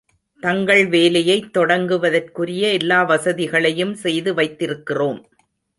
தங்கள் வேலையைத் தொடங்குவதற்குரிய எல்லா வசதிகளையும் செய்து வைத்திருக்கிறோம்.